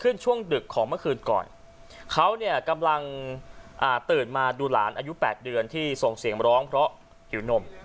ช่วงดึกของเมื่อคืนก่อนเขาเนี่ยกำลังตื่นมาดูหลานอายุ๘เดือนที่ส่งเสียงร้องเพราะหิวนม